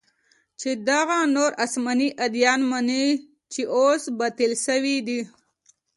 چې دغه نور اسماني اديان مني چې اوس باطل سوي دي.